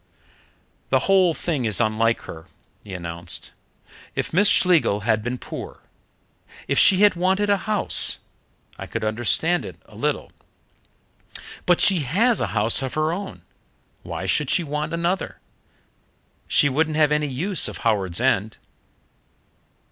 " "The whole thing is unlike her," he announced. "If Miss Schlegel had been poor, if she had wanted a house, I could understand it a little. But she has a house of her own. Why should she want another? She wouldn't have any use of Howards End."